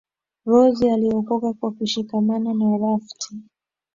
rose aliokoka kwa kushikamana na raft